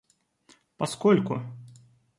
поскольку